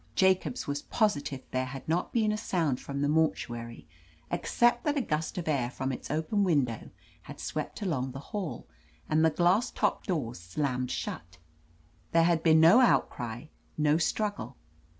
Jacobs was positive there had not been a sound from the mortuary, except that a gust of air from its open windows had swept along the hall, and the glass topped doors slammed shut. There had been no outcry, no struggle.